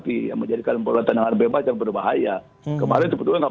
di kotak penalti yang menjadikan bola tenangan bebas yang berbahaya kemarin sebetulnya nggak